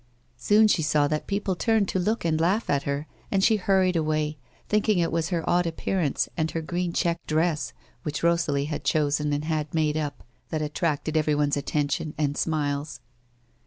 Soon she saw that people turned to look and laugh at her, and sbe hurried away, thinking it was her odd appearance and her green checked dress, which Rosalie had chosen and had made up, that attracted everyone's attention and smiles.